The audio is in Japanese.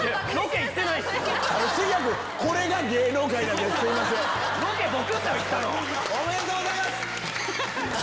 行ったの。おめでとうございます！